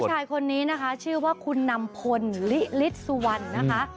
ผู้ชายคนนี้นะคะชื่อว่าคุณนำพลลิฤทธิสุวรรณนะคะ